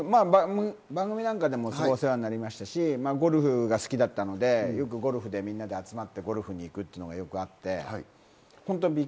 ゴルフ、まぁ番組なんかでもお世話になりましたし、ゴルフが好きだったので、よくゴルフでみんなで集まって行くのがあって。